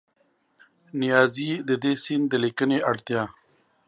نیازي د دې سیند د لیکنې د اړتیا